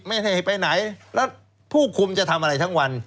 ไม่ให้ไปไหนแล้วผู้คุมจะทำอะไรทั้งวัน